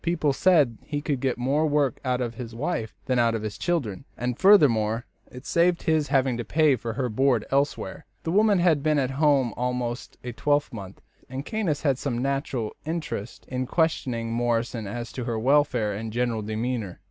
People said he could get more work out of his wife than out of the children, and, furthermore, it saved his having to pay for her board elsewhere. The woman had been at home almost a twelvemonth, and Caius had some natural interest in questioning Morrison as to her welfare and general demeanour.